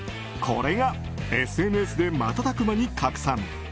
これがＳＮＳで瞬く間に拡散。